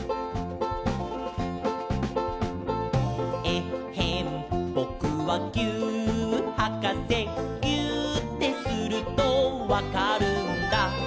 「えっへんぼくはぎゅーっはかせ」「ぎゅーってするとわかるんだ」